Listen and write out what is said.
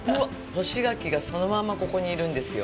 干し柿がそのまんまここにいるんですよ。